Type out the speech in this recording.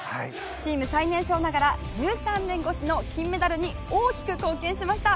チーム最年少ながら１３年越しの金メダルに大きく貢献しました。